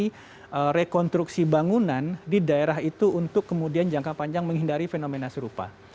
kita mencari rekonstruksi bangunan di daerah itu untuk kemudian jangka panjang menghindari fenomena serupa